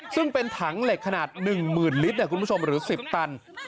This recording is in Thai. ซึ่งเป็นถังเหล็กขนาดหนึ่งหมื่นลิตรคุณผู้ชมหรือสิบตัน